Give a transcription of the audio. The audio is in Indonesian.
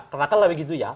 misalkan lebih begitu ya